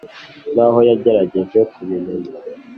nkaho yagerageje kubimenya